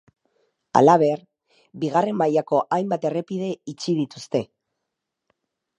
Halaber, bigarren mailako hainbat errepide itxi dituzte.